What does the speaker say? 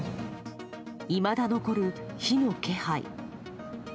いまだ残る火の気配。